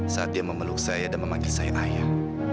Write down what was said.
saat dia memeluk saya dan memanggil sang ayah